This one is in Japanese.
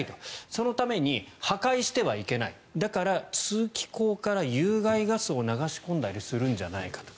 そのために破壊してはいけないだから、通気口から有害ガスを流し込んだりするんじゃないかと。